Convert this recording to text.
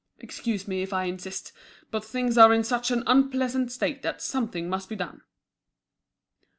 Excuse me if I insist, but things are in such an unpleasant state that something must be done."